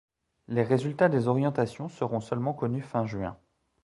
Les résultats des orientations seront seulement connus fin juin.